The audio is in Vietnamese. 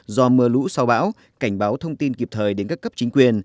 do mưa lũ sau bão cảnh báo thông tin kịp thời đến các cấp chính quyền